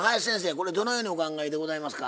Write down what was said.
これどのようにお考えでございますか？